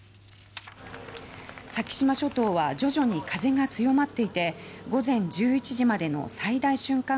先島諸島は徐々に風が強まっていて午前１１時までの最大瞬間